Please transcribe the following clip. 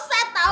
sad tau gak